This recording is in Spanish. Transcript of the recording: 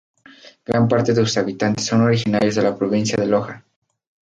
Gran parte de sus habitantes son originarios de la provincia de Loja.